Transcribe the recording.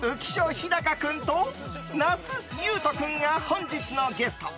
飛貴君と那須雄登君が本日のゲスト。